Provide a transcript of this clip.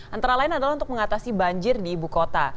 antara lain adalah untuk mengatasi banjir di ibu kota